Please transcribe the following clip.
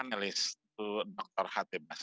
karena peringkat panjang